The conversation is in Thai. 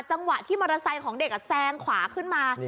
จังหวะที่มอเตอร์ไซค์ของเด็กแซงขวาขึ้นมา